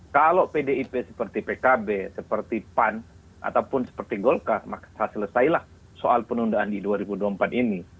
kalau pdip seperti pkb seperti pan ataupun seperti golkar maka selesailah soal penundaan di dua ribu dua puluh empat ini